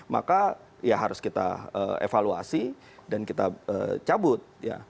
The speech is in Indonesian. maka ya harus kita evaluasi dan kita cabut